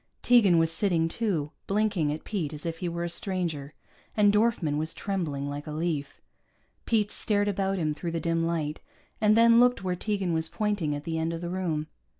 Tegan was sitting, too, blinking at Pete as if he were a stranger, and Dorfman was trembling like a leaf. Pete stared about him through the dim light, and then looked where Tegan was pointing at the end of the room.